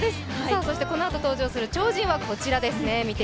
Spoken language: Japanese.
このあと登場する超人はこちらですね。